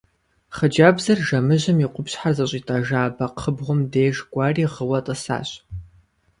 Хъыджэбзыр жэмыжьым и къупщхьэр зыщӀитӀэжа бэкхъыбгъум деж кӀуэри гъыуэ тӀысащ.